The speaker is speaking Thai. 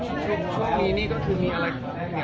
ช่วงมีนี่ก็คือมีอะไร